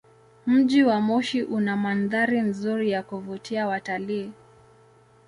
Mji wa Moshi una mandhari nzuri ya kuvutia watalii.